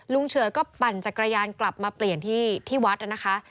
เฉือยก็ปั่นจักรยานกลับมาเปลี่ยนที่วัดนะคะ